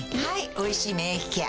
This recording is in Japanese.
「おいしい免疫ケア」